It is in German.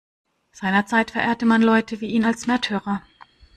Seinerzeit verehrte man Leute wie ihn als Märtyrer.